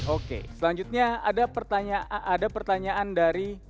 oke selanjutnya ada pertanyaan dari